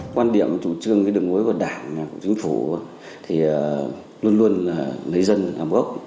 quan điểm chủ trương đường mối của đảng chính phủ luôn luôn lấy dân làm gốc